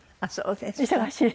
忙しい。